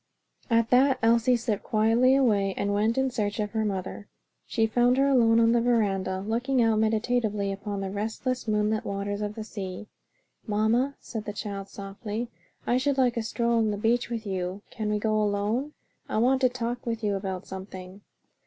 At that Elsie slipped quietly away and went in search of her mother. She found her alone on the veranda looking out meditatively upon the restless moonlit waters of the sea. "Mamma," said the child softly, "I should like a stroll on the beach with you. Can we go alone? I want to talk with you about something."